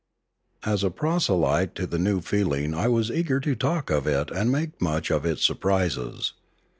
As a proselyte to the new feeling I was eager to talk of it and make much of its surprises.